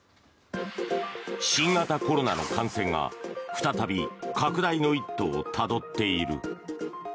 新型コロナの感染が再び拡大の一途をたどっている。